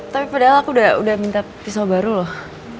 tapi padahal aku udah minta pisau baru loh